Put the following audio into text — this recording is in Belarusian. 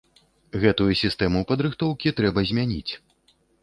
Гэтую сістэму падрыхтоўкі трэба змяніць.